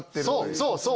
そうそう！